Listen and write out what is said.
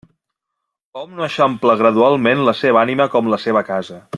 Hom no eixampla gradualment la seva ànima com la seva casa.